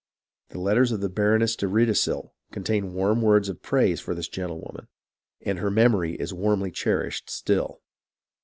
The letters of the Baroness de Reide sel contain warm words of praise for this gentlewoman, and her memory is warmly cherished still.